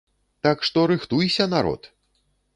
Так што рыхтуйся, народ!